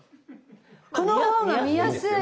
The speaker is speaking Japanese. この方が見やすいわ！